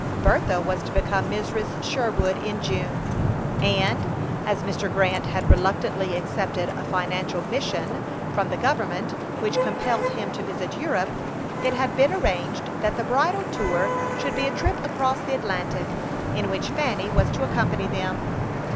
Bertha was to become Mrs. Sherwood in June, and, as Mr. Grant had reluctantly accepted a financial mission from the government, which compelled him to visit Europe, it had been arranged that the bridal tour should be a trip across the Atlantic, in which Fanny was to accompany them.